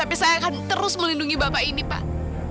tapi saya akan terus melindungi bapak ini pak